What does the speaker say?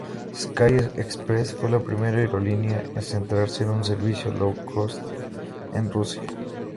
Sky Express fue la primera aerolínea en centrarse en un servicio "low-cost" en Rusia.